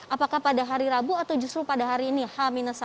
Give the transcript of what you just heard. apakah pada hari rabu atau justru pada hari ini h satu